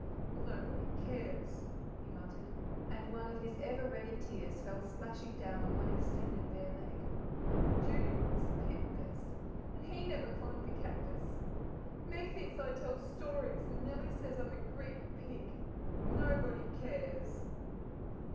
"Nobody cares!" he muttered, and one of his ever ready tears fell splashing down on one extended bare leg. "Judy likes Pip best, and he never climbed the cactus; Meg thinks I tell stories; and Nellie says I'm a greedy pig nobody cares!"